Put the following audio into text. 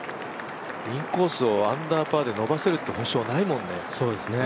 インコースをアンダーパーで伸ばせるって保証ないもんね。